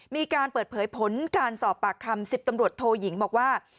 มีการเปิดเผยผลการสอบปากคำ๑๐ตำรวจโทยิงบอกว่า